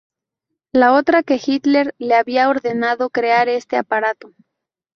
La otra, que Hitler le había ordenado crear este aparato.